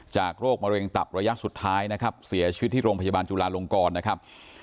โรคมะเร็งตับระยะสุดท้ายนะครับเสียชีวิตที่โรงพยาบาลจุลาลงกรนะครับ